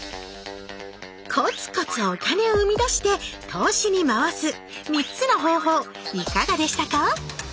コツコツお金をうみだして投資に回す３つの方法いかがでしたか？